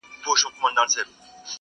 راځه له بومي بلخه تر باګرامه، محبته!!